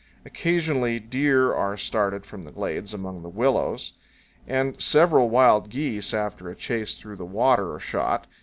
Occasionally, deer are started from the glades among the willows; and several wild geese, after a chase through the water, are shot.